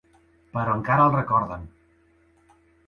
Però encara el recorden.